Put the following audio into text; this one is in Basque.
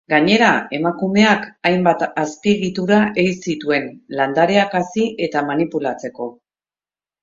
Gainera, emakumeak hainbat azpiegitura ei zituen, landareak hazi eta manipulatzeko.